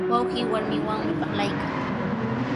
Wawqii warminwanmi parlaykan.